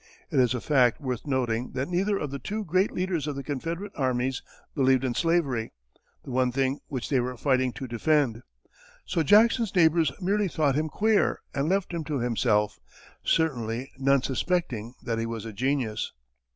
It is a fact worth noting that neither of the two great leaders of the Confederate armies believed in slavery, the one thing which they were fighting to defend. So Jackson's neighbors merely thought him queer, and left him to himself; certainly, none suspected that he was a genius.